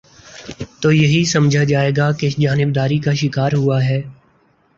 تو یہی سمجھا جائے گا کہ جانب داری کا شکار ہوا ہے۔